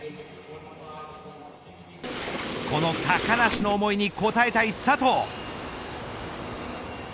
この高梨の思いに応えたい佐藤。